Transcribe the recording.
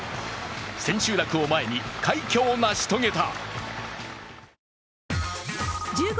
千秋楽を前に快挙を成し遂げた。